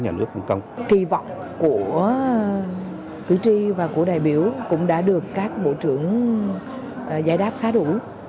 hy vọng của cử tri và của đại biểu cũng đã được các bộ trưởng giải đáp khá đủ